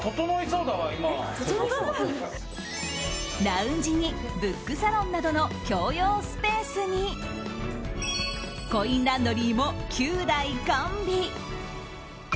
ラウンジにブックサロンなどの共用スペースにコインランドリーも９台完備。